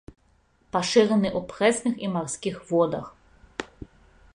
Пашыраны ў прэсных і марскіх водах.